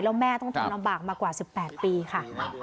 แล้วแม่ต้องทนลำบากมากว่า๑๘ปีค่ะ